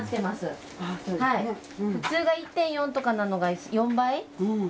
普通が１．４とかなのが４倍。